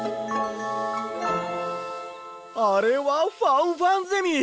あれはファンファンゼミ！